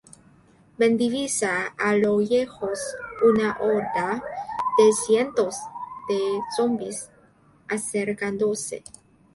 Ben divisa a lo lejos una horda de cientos de zombis acercándose.